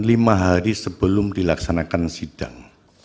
lima hari sebelum dilaksanakan sidang